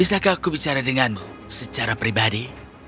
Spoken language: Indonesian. bisakah aku bicara denganmu secara pribadi